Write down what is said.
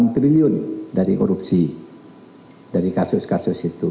enam triliun dari korupsi dari kasus kasus itu